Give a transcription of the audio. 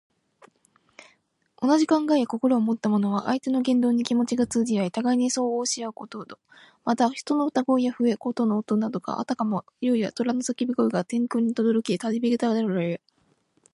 同じ考えや心をもった者は、相手の言動に気持ちが通じ合い、互いに相応じ合うということ。また、人の歌声や笛・琴の音などが、あたかも竜やとらのさけび声が天空にとどろき渡るように響くことをいう。